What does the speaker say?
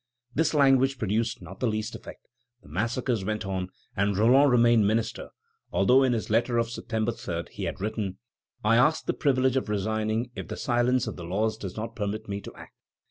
This language produced not the least effect. The massacres went on, and Roland remained minister; although in his letter of September 3 he had written: "I ask the privilege of resigning if the silence of the laws does not permit me to act."